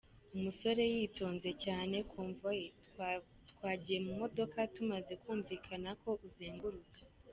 Umusore yitonze cyane “Convoyeur, twagiyemo mu modoka tumaze kumvikana ko uzenguruka.